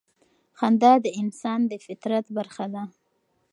خندا د انسان د فطرت برخه ده.